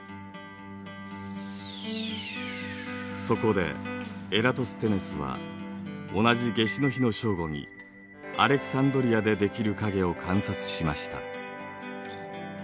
そこでエラトステネスは同じ夏至の日の正午にアレクサンドリアで出来る影を観察しました。